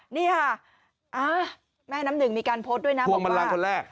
นี่ค่ะแม่น้ำหนึ่งมีการโพสต์ด้วยนะพวงบันลังคนแรก